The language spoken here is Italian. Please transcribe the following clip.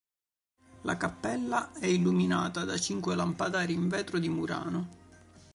La cappella è illuminata da cinque lampadari in vetro di Murano.